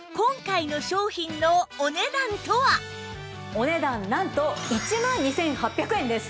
お値段なんと１万２８００円です。